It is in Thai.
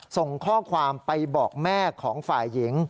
ส่งข้อความไปบอกแม่ของฝ่ายหญิง